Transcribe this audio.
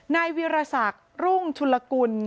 นายวิรสักรุ่งชุลกุล